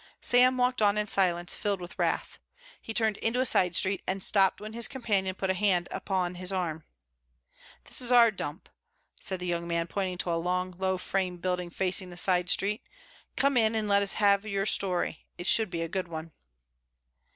Sam walked on in silence, filled with wrath. He turned into a side street and stopped when his companion put a hand upon his arm. "This is our dump," said the young man, pointing to a long low frame building facing the side street. "Come in and let us have your story. It should be a good one."